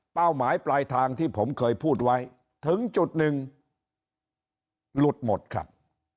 หมายปลายทางที่ผมเคยพูดไว้ถึงจุดหนึ่งหลุดหมดครับ